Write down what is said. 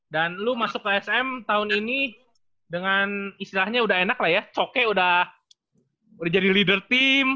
lu masuk ke sm tahun ini dengan istilahnya udah enak lah ya coke udah jadi leader team